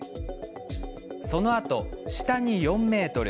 そのあと、下に４ｍ。